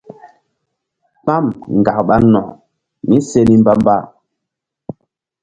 Pam ŋgak ɓa nok mí se ni mbamba.